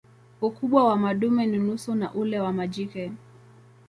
Ukubwa wa madume ni nusu ya ule wa majike.